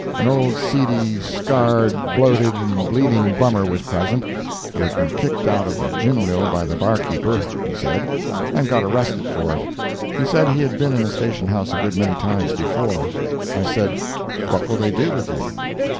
An old seedy, scarred, bloated and bleeding bummer was present, who had been kicked out of a gin mill by the barkeeper, he said, and got arrested for it. He said he had been in the Station House a good many times before. I said: "What will they do with you?"